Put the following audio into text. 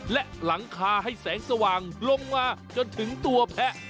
และหลังคาให้แสงสว่างลงมาจนถึงตัวแพะ